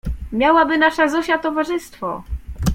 Miałaby nasza Zosia towarzystwo.